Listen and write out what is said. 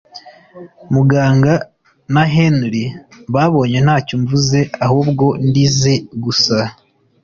muganga na Henry babonye ntacyo mvuze ahubwo ndize gusa